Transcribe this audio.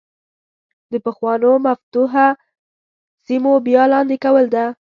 د پخوانو مفتوحه سیمو بیا لاندې کول ده.